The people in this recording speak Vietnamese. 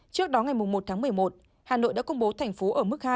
trước đó ngày một tháng một mươi một hà nội đã công bố thành phố ở mức hai